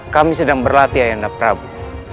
kami sedang berlatih ayahanda prabu